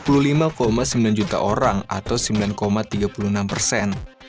sama sembilan juta orang atau sembilan tiga puluh enam persen